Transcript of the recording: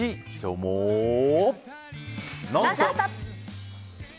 「ノンストップ！」。